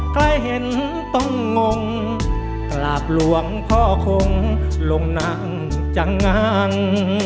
ใครเห็นต้องงงกราบหลวงพ่อคงลงนั่งจังงัง